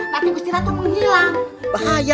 nanti gusti ratu menghilang bahaya